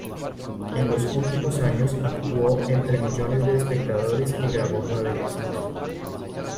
En los últimos años actuó ante millones de espectadores y grabó nueve discos.